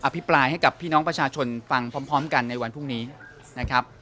ภิปรายให้กับพี่น้องประชาชนฟังพร้อมกันในวันพรุ่งนี้นะครับ